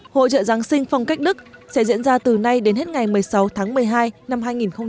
hội trợ giáng sinh phong cách đức sẽ diễn ra từ nay đến hết ngày một mươi sáu tháng một mươi hai năm hai nghìn một mươi chín